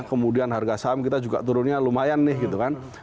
kemudian harga saham kita juga turunnya lumayan nih gitu kan